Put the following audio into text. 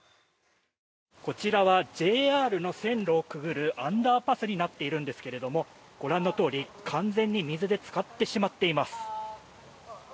こちらはＪＲの線路をくぐるアンダーパスになっているんですけれどご覧のように完全に水でつかってしまっています。